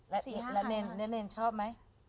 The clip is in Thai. แล้วเนรชอบไหม